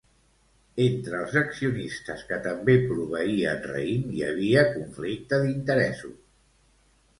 Entre els accionistes que també proveïen raïm hi havia conflicte d'interessos.